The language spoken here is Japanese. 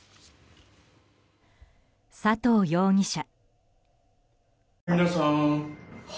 佐藤容疑者。